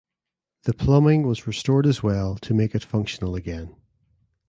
The plumbing was restored as well to make it functional again.